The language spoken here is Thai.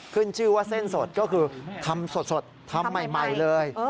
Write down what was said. ขึ้นชื่อว่าเส้นสดก็คือทำสดทำใหม่เลย